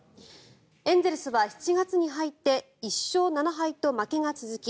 エンゼルスは７月に入って１勝７敗と負けが続き